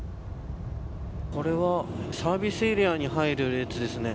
これは、サービスエリアに入る列ですね。